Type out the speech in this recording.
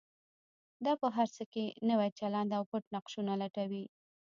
دا په هر څه کې نوی چلند او پټ نقشونه لټوي.